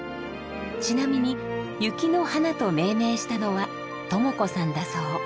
ちなみに「雪の華」と命名したのはトモ子さんだそう。